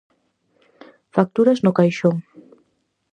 Facturas no caixón.